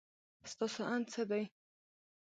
ستاسو اند څه دی؟